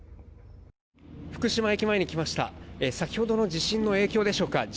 福島駅前に来ました先ほどの地震の影響でしょうか